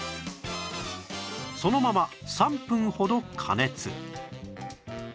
そのまま３分ほど加熱